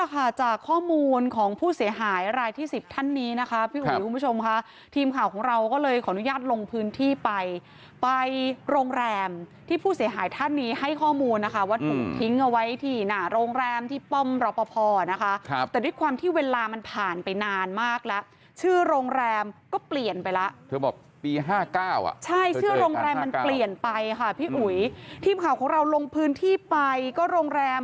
ค่ะจากข้อมูลของผู้เสียหายรายที่สิบท่านนี้นะคะพี่อุ๋ยคุณผู้ชมค่ะทีมข่าวของเราก็เลยขออนุญาตลงพื้นที่ไปไปโรงแรมที่ผู้เสียหายท่านนี้ให้ข้อมูลนะคะว่าถูกทิ้งเอาไว้ที่หน้าโรงแรมที่ป้อมรอปภนะคะแต่ด้วยความที่เวลามันผ่านไปนานมากแล้วชื่อโรงแรมก็เปลี่ยนไปแล้วเธอบอกปี๕๙อ่ะใช่ชื่อโรงแรมมันเปลี่ยนไปค่ะพี่อุ๋ยทีมข่าวของเราลงพื้นที่ไปก็โรงแรม